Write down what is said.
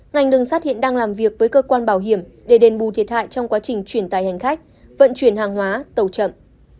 ngành đường sắt hiện đang làm việc với cơ quan bảo hiểm để đền bù thiệt hại trong quá trình chuyển tài hành khách vận chuyển hàng hóa tàu chậm